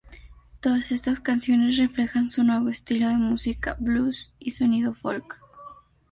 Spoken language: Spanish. Todas estas canciones reflejan su nuevo estilo de música blues y sonido folk.